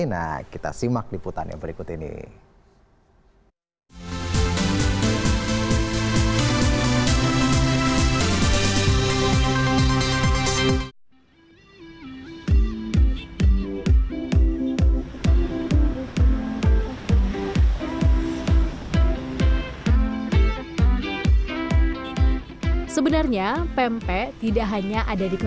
nah kita simak liputan yang berikut ini